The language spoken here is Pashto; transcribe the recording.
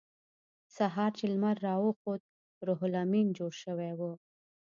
سهار چې لمر راوخوت روح لامین جوړ شوی و